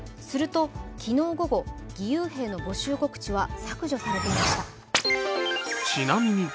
すると、昨日午後義勇兵の募集告知は削除されていました。